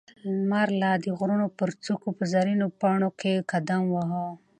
لمر لا د غرونو پر څوکو په زرينو پڼو کې قدم واهه.